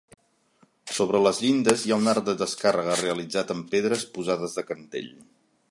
Sobre les llindes hi ha un arc de descàrrega realitzat amb pedres posades de cantell.